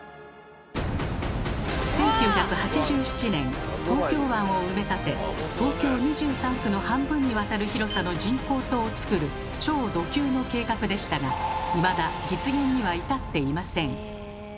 １９８７年東京湾を埋め立て東京２３区の半分にあたる広さの人工島をつくる「超ド級」の計画でしたがいまだ実現には至っていません。